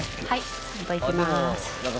はい。